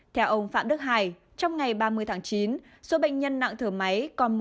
theo ông phạm đức hải trong ngày ba mươi tháng chín số bệnh nhân nặng thở máy còn một năm trăm sáu mươi tám